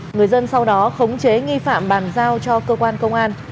người dân sau đó khống chế nghi phạm bàn giao cho cơ quan công an